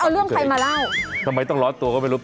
เอาเรื่องใครมาเล่าทำไมต้องร้อนตัวก็ไม่รู้